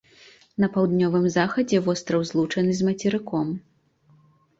На паўднёвым захадзе востраў злучаны з мацерыком.